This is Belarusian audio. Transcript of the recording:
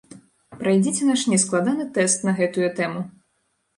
Прайдзіце наш нескладаны тэст на гэтую тэму!